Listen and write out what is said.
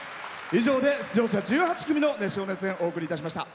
以上で、出場者１８組の熱唱・熱演お送りいたしました。